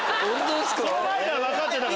その前から分かってたから！